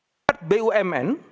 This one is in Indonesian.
masih menjabat sebagai pejabat bumn